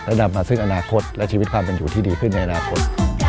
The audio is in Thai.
และนำมาซึ่งอนาคตและชีวิตความเป็นอยู่ที่ดีขึ้นในอนาคต